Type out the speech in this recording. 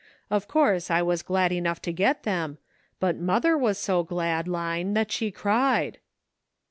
Of course I was glad enough to get them, but mother was so glad, Line, that she cried."